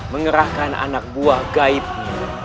mengerahkan anak buah gaibmu